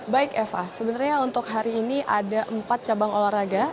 baik eva sebenarnya untuk hari ini ada empat cabang olahraga